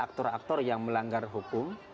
aktor aktor yang melanggar hukum